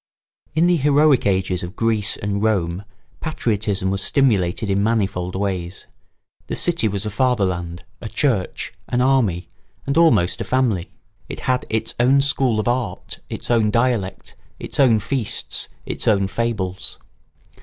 ] In the heroic ages of Greece and Rome patriotism was stimulated in manifold ways. The city was a fatherland, a church, an army, and almost a family. It had its own school of art, its own dialect, its own feasts, its own fables.